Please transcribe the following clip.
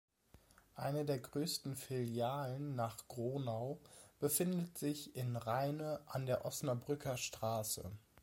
Eine der größten Filialen nach Gronau befindet sich in Rheine an der Osnabrücker Straße.